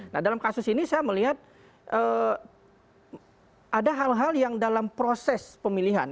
nah dalam kasus ini saya melihat ada hal hal yang dalam proses pemilihan